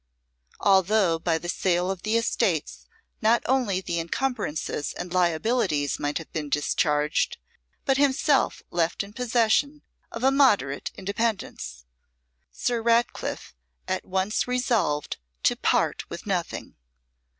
Although, by the sale of the estates, not only the encumbrances and liabilities might have been discharged, but himself left in possession of a moderate independence, Sir Ratcliffe at once resolved to part with nothing.